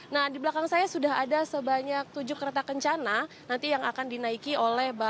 nah di belakang saya sudah ada sebanyak tujuh kereta kencana nanti yang akan dinaiki oleh